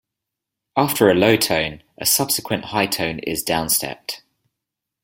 After a low tone, a subsequent high tone is downstepped.